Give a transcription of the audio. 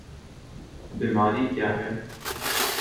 بیماری کیا ہے؟